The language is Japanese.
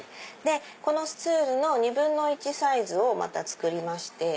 このスツールの２分の１サイズをまた作りまして。